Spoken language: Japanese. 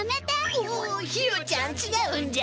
おひよちゃんちがうんじゃ。